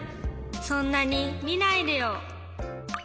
そんなにみないでよ。